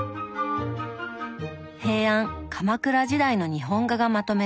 平安鎌倉時代の日本画がまとめられています。